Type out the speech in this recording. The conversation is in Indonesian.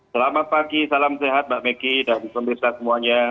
selamat pagi salam sehat mbak meki dan pemirsa semuanya